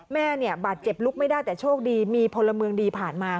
แม่เนี่ยบาดเจ็บลุกไม่ได้แต่โชคดีมีพลเมืองดีผ่านมา